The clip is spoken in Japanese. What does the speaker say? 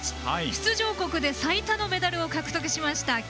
出場国で最多のメダルを獲得しました。